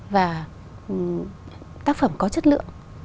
và tác phẩm có chất lượng